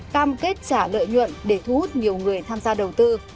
cam kết trả lợi nhuận để thu hút nhiều người tham gia đầu tư